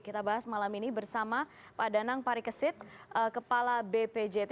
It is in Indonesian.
kita bahas malam ini bersama pak danang parikesit kepala bpjt